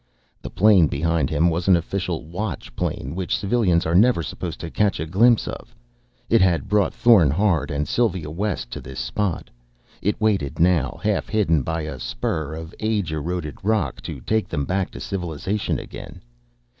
The plane behind him was an official Watch plane, which civilians are never supposed to catch a glimpse of. It had brought Thorn Hard and Sylva West to this spot. It waited now, half hidden by a spur of age eroded rock, to take them back to civilization again.